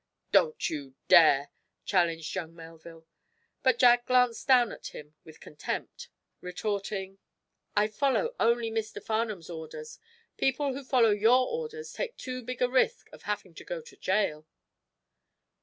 "Don't you dare!" challenged young Melville. But Jack glanced down at him with contempt, retorting: "I follow only Mr. Farnum's orders. People who follow your orders take too big a risk of having to go to jail."